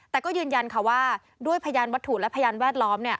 แต่ก็ยืนยันค่ะว่าด้วยพยานวัตถุและพยานแวดล้อม